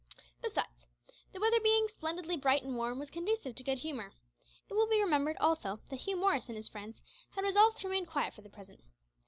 Besides, the weather being splendidly bright and warm was conducive to good humour. It will be remembered also that Hugh Morris and his friends had resolved to remain quiet for the present.